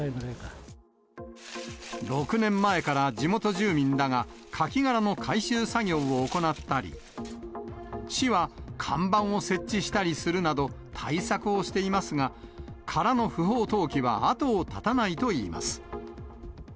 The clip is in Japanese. ６年前から地元住民らがカキ殻の回収作業を行ったり、市は、看板を設置したりするなど、対策をしていますが、殻の不法投棄は後を絶たないといいます。